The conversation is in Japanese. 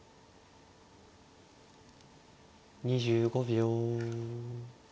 ２５秒。